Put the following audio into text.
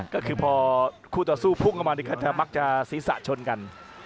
ก็คือพอคู่ต่อสู้พุ่งมากมักจะศีรษะชนกัน